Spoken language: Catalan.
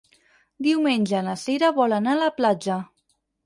Diumenge na Cira vol anar a la platja.